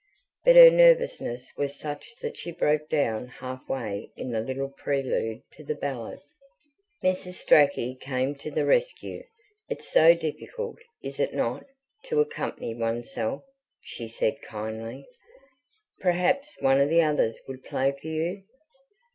But her nervousness was such that she broke down half way in the little prelude to the ballad. Mrs. Strachey came to the rescue. "It's so difficult, is it not, to accompany oneself?" she said kindly. "Perhaps one of the others would play for you?"